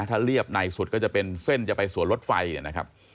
ถ้าเรียบในสุดก็จะเป็นเส้นจะไปสวนรถไฟนะครับ